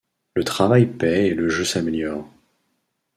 Le travail paie et le jeu s'améliore.